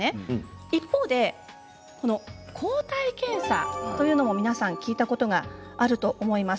一方で抗体検査というものも聞いたことがあると思います。